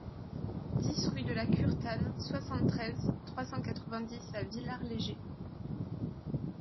dix rue de la Curtane, soixante-treize, trois cent quatre-vingt-dix à Villard-Léger